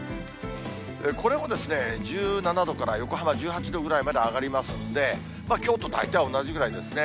これも１７度から横浜１８度くらいまで上がりますんで、きょうと大体同じぐらいですね。